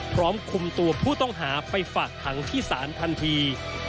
พร้อมคุมตัวผู้ต้องหาไปฝากขังที่ศาลทันที